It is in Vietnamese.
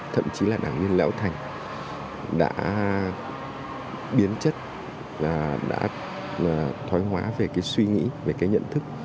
thậm chí là đảng viên lão thành đã biến chất và đã thoái hóa về cái suy nghĩ về cái nhận thức